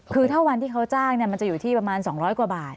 คือถ้าวันที่เขาจ้างมันจะอยู่ที่ประมาณ๒๐๐กว่าบาท